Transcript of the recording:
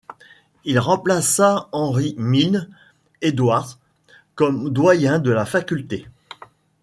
Il remplaça Henri Milne Edwards comme doyen de la faculté.